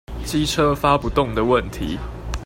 機車發不動的問題